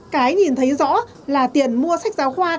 cái nhìn thấy rõ là tiền mua sách giáo khoa cao hơn